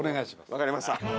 わかりました。